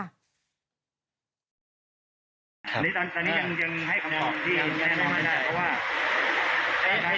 อันนี้ตอนนี้ยังให้คำตอบที่ยังไม่ได้เพราะว่า